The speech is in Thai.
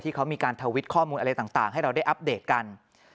เขามีการทวิตข้อมูลอะไรต่างให้เราได้อัปเดตกัน